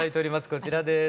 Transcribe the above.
こちらです。